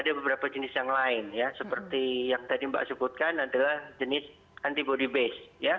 ada beberapa jenis yang lain ya seperti yang tadi mbak sebutkan adalah jenis antibody base